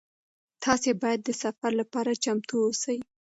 تاسي باید د سفر لپاره چمتو اوسئ.